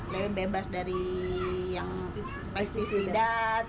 lebih bebas dari yang pesticida